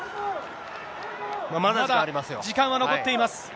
まだ時間は残っています。